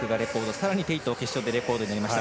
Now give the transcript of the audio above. さらに鄭濤決勝でレコードになりました。